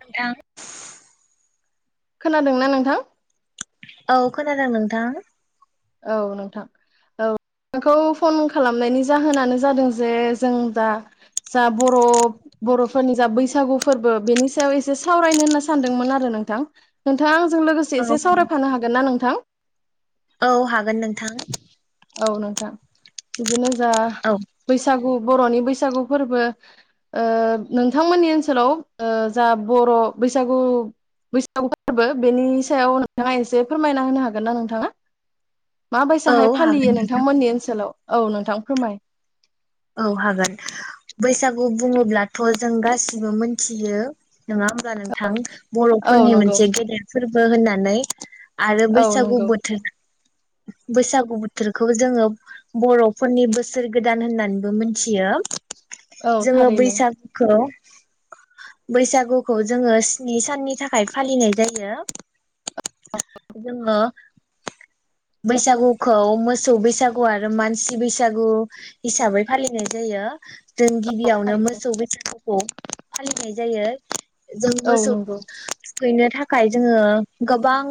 नोंथां खोनादोंना नोंथां? औ खोनादों नोंथां औ नोंथां औ खौ फन खालामनायनि जाहोनानो जादों जे जों दा जा बर' बर'फोरनि जा बैसागु फोर्बो बेनि सायाव एसे सावरायनो होनना सानदोंमोन आरो नोंथां नोंथाङा आंजों लोगोसे औ एसे सावरायफानो हागोन ना नोंथां? औ हागोन नोंथां औ नोंथां बिदिनो जा औ बैसागु बर'नि बैसागु फोर्बो ओ नोंथांमोननि ओनसोलाव ओ जा बर' बैसागु बैसागु फोर्बो बेनि सायाव नोंथाङा एसे फोरमायना होनो हागोन ना नोंथाङा? औ माबैसाहाय हागोन फालियो नोंथां नोंथांमोननि ओनसोलाव औ नोंथां फोरमाय औ हागोन बैसागु बुङोब्लाथ जों गासिबो मोनथियो नङा होमबा नोंथां औ बर'फोरनि नंगौ मोनसे गेदेर फोर्बो होननानै आरो औ बैसागु नंगौ बोथोर बैसागु बोथोरखौ जोङो बर'फोरनि बोसोर गोदान होननानै बो मोनथियो औ जोङो थारैनो बैसागुखौ [inaudible] बैसागुखौ जोङो स्नि साननि थाखाय फालिनाय जायो जोङो बैसागुखौ मोसौ बैसागु आरो मानसि बैसागु हिसाबै फालिनाय जायो जों गिबियावनो मोसौ बैसागुखौ फालिनाय जायो जों औ मोसौ नंगौ हैैनो थाखाय जोङो गोबां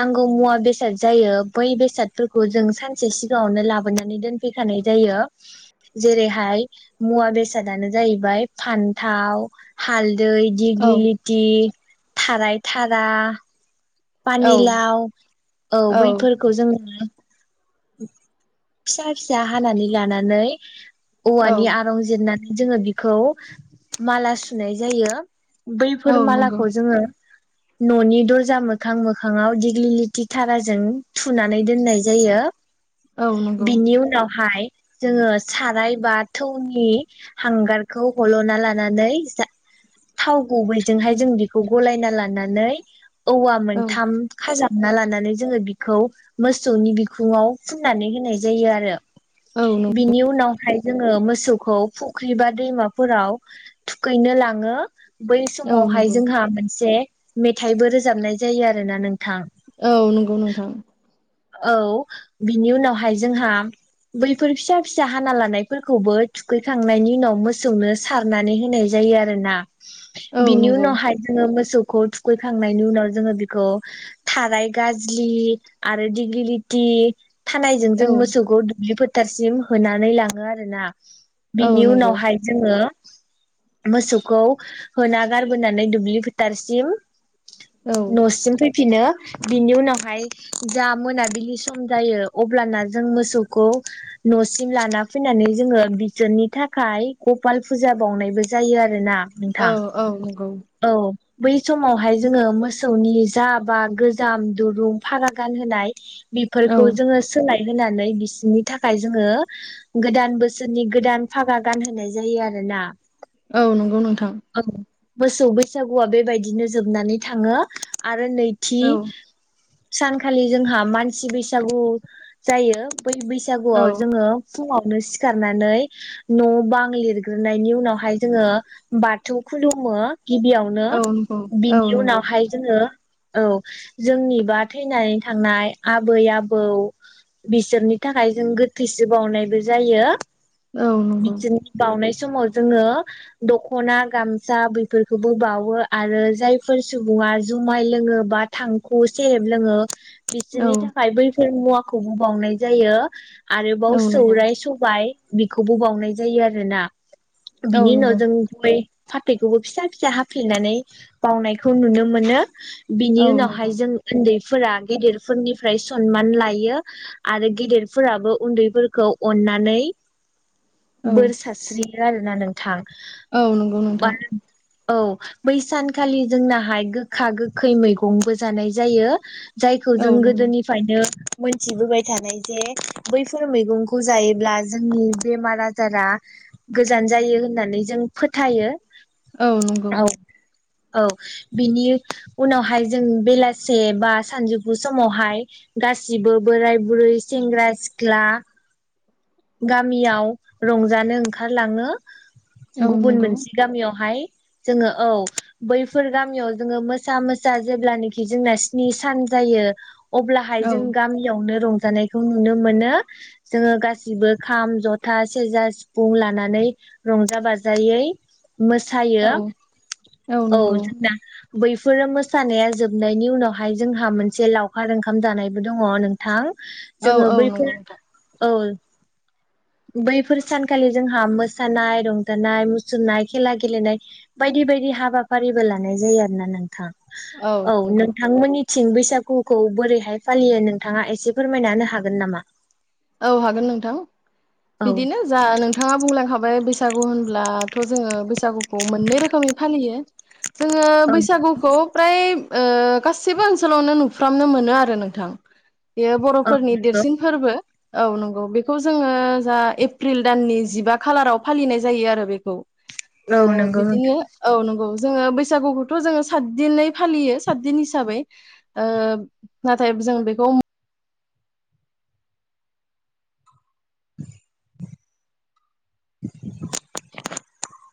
नांगौ मुवा बेसाद जायो बै बेसादफोरखौ जों सानसे सिगाङावनो लाबोनानै दोनफैखानाय जायो जेरैहाय मुवा बेसादानो जाहैबाय फान्थाव हालदै दै औ दिग्लिलिथि थाराय थारा औ पानिलाव औ बैफोरखौ जोङो फिसा फिसा हानानै लानानै औ औवानि आरं जिरना जोङो बिखौ माला सुनाय जायो। औ बैफोर नंगौ मालाखौ जोङो न'नि दर्जा मोखां मोखाङाव दिग्लिलिथि थाराजों थुनानै दोननाय जायो औ नंगौ बिनि उनावहाय जोङो साराय बा थौनि हांगारखौ हल'ना लानानै जा थाव गुबैजोंहाय जों बेखौ गलायना लानानै औवा औ मोनथाम खाजाबना लानानै जोङो बिखौ मोसौनि बिखुङाव फुननानै होनाय जायो आरो औ नं बिनि उनावहाय जोङो मोसौखौ फुख्रि बा दैमाफोराव थुखैनो लाङो। बै औ समावहाय नंगौ जोंहा मोनसे मेथाइबो रोजाबनाय जायो आरोना नोंथां। औ नंगौ नोंथां। औ बिनि उनावहाय जोंहा बैफोर फिसा फिसा हाना लानायफोरखौबो थुखैखांनायनि उनाव मोसौनो सारनानै होनाय जायो। औ बिनि नंगौ उनावहाय जोङो मोसौ खौ थुखैखांनायनि उनाव जोङो बेखौ थाराय गाजलि आरो दिग्लिलिटि थानायजों औ जों मोसौखौ दुब्लिफोर फोथारसिम होनानै लाङो आरो ना औ बिनि नंगौ उनावहाय जोङो। मोसौखौ होना गारबोनानै दुब्लि फोथारसिम औ न'सिम फैफिनो बिनि उनावहाय जा मोनाबिलि सम जायो अब्लाना जों मोसौखौ न'सिम लाना फैनानै जोङो बिसोरनि थाखाय गपाल फुजा बावनायबो जायो आरो आरोना औ नोंथां औ नंगौ औ बै समावहाय जोङो मोसौनि जा बा गोजाम दुरुं फागा गानहोनाय औ बेफोरखौ जोङो सोलाय होनानै बिसोरनि थाखाय जोङो गोदान बोसोरनि गोदान फागा गान होनाय जायो आरो ना। औ नंगौ नोंथां। मोसौ बैसागुआ बेबायदिनो जोबनानै थाङो आरो। आरो नैथि औ सानखालि जोंहा मानसि बैसागु जायो। बै बैसागुआव औ जोङो फुङावनो सिखारनानै न' बां लिरग्रोनायनि उनावहाय जोङो बाथौ खुलुमो। गिबियावनो औ नंगौ औ बिनि नंगौ उनावहाय जोङो औ जोंनिबा थैनानै थांनाय आबै आबौ बिसोरनि थाखाय जों गोथैसि बावनायबो जायो औ नंगौ बिसोरनि बावनाय समाव जोङो द'खना गामसा बैफोरखौबो बाउओ आरो जायफोर सुबुं जुमाय लोङोब बा थांखु सेरेब लोङो औ बिसोरनि थाखाय बैफोर मुवाखौबो बावनाय जायो। आरोबाव औ नंगौ सौराइ सबाइ बेखौबो बाउनाय जायो आरोना। औ बिनि नंगौ न'जों फाथैखौबो फिसा फिसा हाफ्लेनानै बावनायखौ नुनो मोनो बिनि औ नंगौ उनावहाय औ जों उन्दैफोरा गेदेर फोरनिफ्राय सनमान लायो आरो गेदेरफोराबो उन्दैफोरखौ अननानै बोर सास्रियो आरोना नोंथां। औ नंगौ बा नोंथां। औ बै सानखालि जोंनाहाय गोखा गोखै मैगं बो जानाय जायो। जायखौ औ जों नंगौ गोदोनिफ्रायनो मोनथि बोबाय थानाय जे बैफोर मैगंखौ जायोब्ला जोंनि बेमार आजारा गोजान जायो होननानै जों फोथायो औ नंगौ। औ औ बिनि उनावहाय जों बेलासि से बा सानजौफु समावहाय गासिबो बोराय बुरै सेंग्रा सिख्ला [inaudible] गामियाव रंजानो ओंखार लाङो। औ गुबुन नंगौ मोनसे गामियाव हाय जोङो औ बैफोर गामियाव जोङो मोसा मोसा जेब्लानि जोंना स्नि सान जायो अब्लाहाय औ जों गामियावनो रं जानायखौ नुनो मोनो जोङो गासिबो खाम, ज'था, सेरजा, सिफुं लानानै रंजा बाजायै मोसायो। औ औ, जोंना बैफोरो मोसानाया जोब नायनि उनावहाय जोंहा मोनसे लावखार ओंखाम जानायबो दङ नोंथां। औ जोङो औ नंगौ बैफोर नोंथां औ। [inaudible] बैफोर सानखालि जोंहा मोसानाय, रंजानाय, मुसुरनाय, खेला गेलेनाय बायदि बेबायदि हाबाफारिबो लानाय जायो आरो ना नोंथां। औ नोंथांमोननि मिथिं बैसागुखौ बोरैहाय फालियो नोंथाङा एसे फोरमायना हागोन नामा? औ हागोन नोंथां औ बिदिनो जा नोंथाङा बुंलांखाबाय बेस बैसागु होनब्ला थ' जोङो बैसागुखौ मोननै रोखोमै फालियो। जोङो औ बैसागुखौ फ्राय ओ गासिबो ओनसोलावनो नुफ्रामनो मोनो आरो नोंथां। बेयो औ बर'फोरनि नंगौ देरसिन फोरबो। औ नंगौ बेखौ जोङो जा एप्रिल दाननि जिबा खालाराव फालिनाय जायो आरो बेखौ। औ ओ नंगौ नोंथां बिदिनो औ नोंगौ। जोङो बैसागुखौथ' जोङो सात दिनै फालियो सातदिन हिसाबै ओ नाथाय जों बेखौ [inaudible]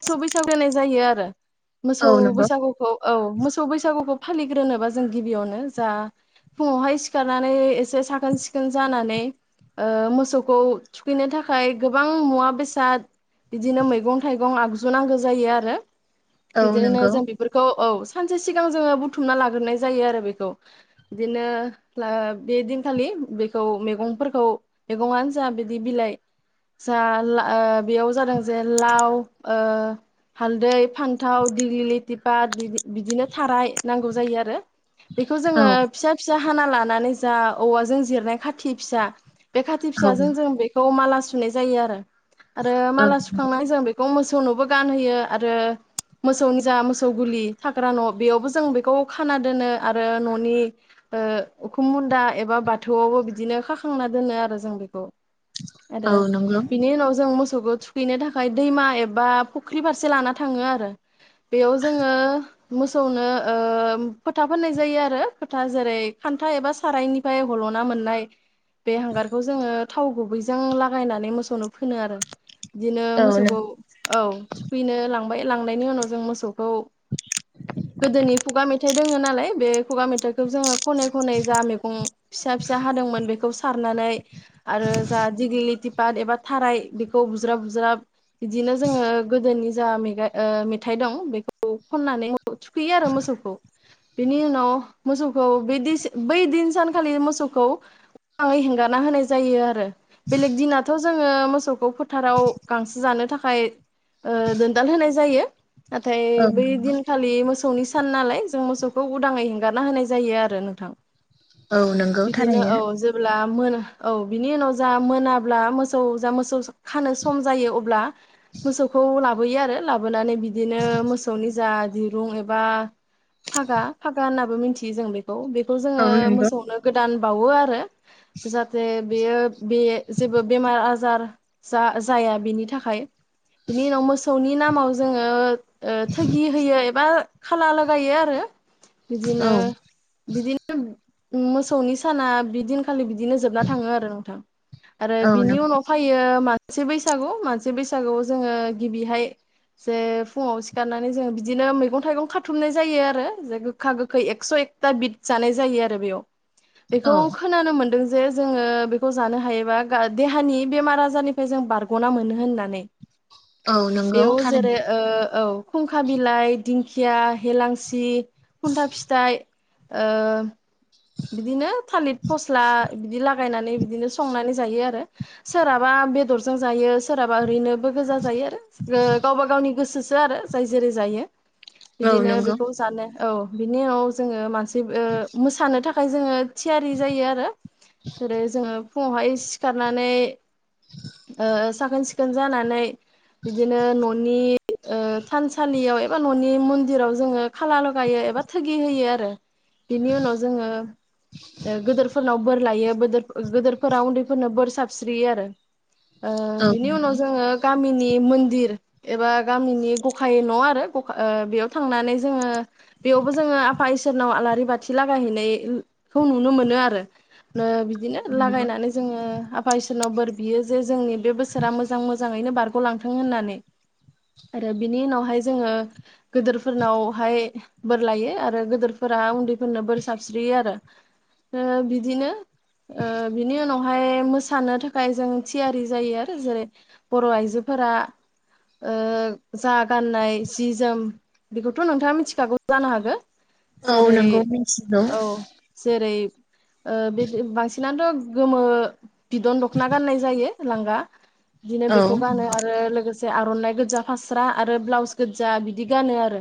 [unintelligible] जायो आरो औ मोसौ नंगौ बैसागुखौ औ मोसौ बैसागुखौ फालिग्रोनोबा जों गिबियावनो जा फुङाव हाय सिखारनानै एसे साखोन सिखोन जानानै ओ मोसौखौ थुखैनो थाखाय गोबां मुवा बेसाद बिदिनो मैगं-थाइगं गं आगजु नांगौ जायो आरो औ बिदिनो नंगौ जों बेफोरखौ औ सानसे सिगां जोङो बुथुमना लाग्रोनाय जायो आरो बेखौ बिदिनो ला बेदि खालि बेखौ मेगंफोरखौ मेगङा जा बिदि बिलाइ जा ला ओ बेयाव जादों जे लाव ओ हालदै फान्थाव दिग्लिलिथिपा बिदि-बिदिनो थाराय नांगौ जायो आरो बेखौ औ जोङो फिसा फिसा हाना लानानै जा औवाजों जिरनाय खाथि फिसा, बे खाथि औ फिसाजों जों बेखौ माला सुनाय जायो आरो। आरो औ माला सुखांनानै जों बेखौ मोसौनोबो गानहोयो आरो मोसौनि जा मोसौ गुलि थाग्रा न' बेयावबो जों बेखौ खाना दोनो आरो न'नि ओ उखुम मुन्दा एबा बाथौआवबो बिदिनो खाखांना दोनो आरो जों बेखौ। आरो औ नंगौ बिनि उनाव जों मोसौखौ थुखैनो थाखाय दैमा एबा फुख्रि फारसे लाना थाङो आरो बेयाव जोङो मोसौनो ओ खोथा फोननाय जायो आरो खोथा जेरै खान्था एबा सारायनिफ्राय हल' ना मोननाय बे हांगारखौ जोङो थाव गुबैजों लागायनानै मोसौनो फोनो आरो, बिदिनो औ मोसौखौ नों औ सुखैनो लांबाय लांनायनि उनाव जों मोसौ खौ गोदोनि खुगा मेथाइ दोङ नालाय बे खुगा मेथाइखौ जोङो खनै खनै जा मैगं फिसा फिसा हादोंमोन बेखौ सारनानै आरो जा दिग्लिथिपाट एबा थाराय बेखौ बुज्राब बुज्राब बिदिनो जोंङो गोदोनि जा मेगा ओ मेथाइ दं बेखौ खननानै थुखैयो आरो मोसौखौ। बेनि उनाव मोसौखौ बे दैसा बै दिन सानखालि मोसौखौ मोजांङै हेंगारा होनाय जायो आरो बेलेग दिनाथ' जोंङो मोसौखौ फोथाराव गांसो जानो थाखाय ओ दोनदाल होनाय जायो नाथाय औ बै नंगौ दिनखालि मोसौनि सान नालाय जों मोसौखौ उदांङै हेंगारना होनाय जायो आरो नोंथां। औ नंगौ बिदिनो औ थारैनो जेब्ला मोन औ बिनि उनाव जा मोनाब्ला मोसौ जा मोसौ खानो सम जायो अब्ला मोसौखौ लाबोयो आरो लाबोनानै बिदिनो मोसौनि जा दिरुं एबा फागा फागा होननाबो मिथियो जों बे खौ बेखौ औ जोंङो नंगौ मोसौनो गोदान बावो आरो जाहाथे बेयो बे जेबो बेमार आजार जा जाया बेनि थाखाय बिनि उनाव मोसौनि नामाव जोंङो ओ थोगि होयो ए बा खाला लागायो आरो औ बिदिनो बिदिनो मोसौनि साना बि दिन खालि बिदिनो जोबना थांङो आरो नोंथां आरो औ बिनि नंगौ उनाव फायो मान सि बैसागु मानसि बैसागुआव जोंङो गिबिहाय जे फुंङाव सिखारनानै जोङो बिदिनो मैगं थाइगं खाथुमनाय जायो आरो जे गोखा गोखै एक्स' एक था बिद जानाय जायो आरो बेयाव औ बेखौ खोनानो मोनदों जे जोंङो बेखौ जानो हायोबा गा देहानि बेमार आजारनिफ्राय जों बारग'ना मोनो होननानै। औ नंगौ बेयाव जेरै थारैनो ओ औ खुंखा बिलाइ दिंखिया हेेलांसि खुन्था फिथाइ ओ बिदिनो थालिर फस्ला बिदि लागायनानै बिदिनो संनानै जायो आरो सोरहाबा बेदरजों जायो सोरहाबा ओरैनो बो गोजा जायो आरो ओ गावबा गावनि गोसोसो आरो जाय जेरै जायो। औ बिदिनो नंगौ बेखौ जानो औ बिनि उनाव जोंङो मानसि ओ मोसानो थाखाय थाखाय जोंङो थियारि जायो आरो जेरै जोंङो फुंङावहाय सिखारनानै ओ साखोन सिखोन जानानै बिदिनो न'नि ओ थानसालियाव एबा न'नि मन्दिराव जोंङो खाला लगायो एबा थोगि होयो आरो। बेनि उनाव जोंङो ओ गोदोरफोरनाव बोर लायो बोदोर गोदोरफोरा उन्दैफोरनो बोर साबस्रियो आरो। ओ औ बिनि उनाव नंगौ जोंङो गामिनि मन्दिर एबा गामिनि गखाय न' आरो ओ बेयाव थांनानै जोंङो बेयावबो जोंङो आफा इसोरनाव आलारि बाथि लागायहैनाय खौ नुनो मोनो आरो ओ बिदिनो नंगौ लागायनानै जोंङो आफा इसोरनाव बोर बियो जे जोंनि बे बोसोरा मोजां मोजां यैनो बारग'लांथों होननानै आरो बिनि उनावहाय जोंङो गोदोरफोरनावहाय बोर लायो आरो गोदोरफोरा उन्दैफोरनो बोर सारस्रियो आरो। ओ बिदिनो ओ बिनि उनावहाय मोसानो थाखाय जों थियारि जायो आरो जेरै बर' आइजोफोरा ओ जा गाननाय जि जोम बेखौथ' नोंथांङा मिथिखागौ जानो हागो। औ जेरै नंगौ मिथिगौ औ जेरै ओ बिदि बांसिनाथ' गोमो बिदन दख'ना गाननाय जायो लांगा बिदिनो औ बेखौ गानो आरो लोगो से आर'नाइ गोजा फास्रा आरो ब्लाउस गोजा बिदि गानो आरो।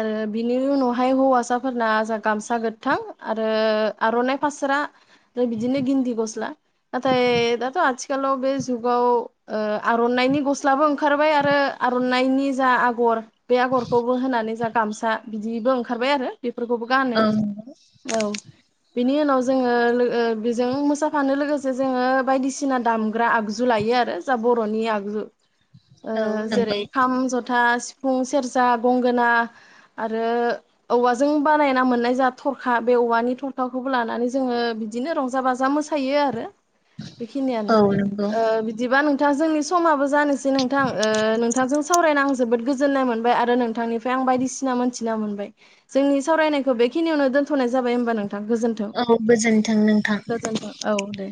आरो बिनि उनावहाय हौवासाफोरना जा गामसा गोथां आरो आर'नाइ फा स्रा बिदिनो गिन्दि गस्ला नाथाय दाथ' आथिखालाव बे जुगाव ओ आर'नाइनि गस्लाबो ओंखारबाय आरो आर'नाइनि जा आगर बे आगरखौबो होनानै जा गामसा बिदिबो ओंखारबाय आरो। बेफोरखौबो गानो औ नंगौ औ बिनि उनाव जोङो लो ओ बेजों मोसाफानो लोगोसे जोङो बायदिसिना दामग्रा आगजु लायो आरो। [unintelligible] बर'नि आगजु ओ औ नंगौ जेरै- खाम जथा सि फुं, सेरजा, गंगोना आरो औवाजों बानायना मोननाय जा थरखा बे औवानि थरखाखौबो लानानै जोङो बिदिनो रंजा बाजा मोसायो आरो। बेखिनियानो औ नंगौ ओ बिदिबा नों थां जोंनि समाबो जानोसै नोंथां ओ नोंथांजों सावरायना आं जोबोद गोजोननाय मोनबाय आरो नोंथांनिफ्राय आं आं बायदिसिना मोनथिना मोनबाय जोंनि सावरायनायखौ बेखिनियावनो दोन्थ'नाय जाबाय होनबा नों थां गोजोनथों औ गोजोन्थों नोंथां गोजोनथों औ दे।